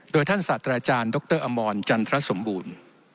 โดยท่านศาสตราจารย์ดรอมรจันทรสมบูรณ์